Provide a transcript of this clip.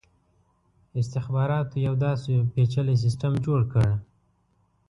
استخباراتو یو داسي پېچلی سسټم جوړ کړ.